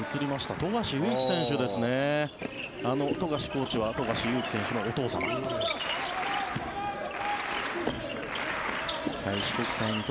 富樫コーチは富樫勇樹選手のお父様だと。